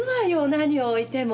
何を置いても。